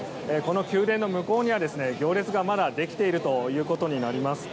宮殿の向こうにはまだ行列ができているということになります。